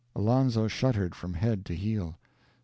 Alonzo shuddered from head to heel.